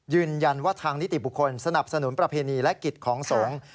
ยืนยันว่าทางนิติบุคคลสนับสนุนประเพณีและกิจของสงฆ์